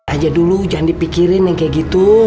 aja dulu jangan dipikirin yang kayak gitu